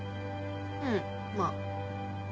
うんまぁ。